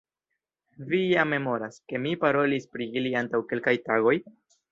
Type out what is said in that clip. Vi ja memoras, ke mi parolis pri ili antaŭ kelkaj tagoj?